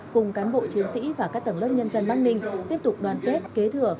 cùng cán bộ chiến sĩ và các tầng lớp nhân dân bắc ninh tiếp tục đoàn kết kế thừa